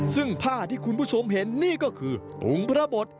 ซึ่งผ้าที่คุณผู้ชมเห็นนี่ก็คือองค์พระบท